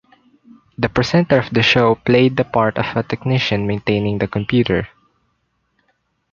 The presenter of the show played the part of a technician maintaining the computer.